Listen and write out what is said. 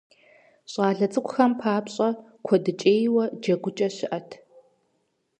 ЩӀалэ цӀыкӀухэм папщӏэ куэдыкӏейуэ джэгукӀэ щыӏэт.